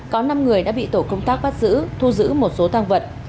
có năm người đã bị tổ công tác bắt giữ thu giữ một số tăng vật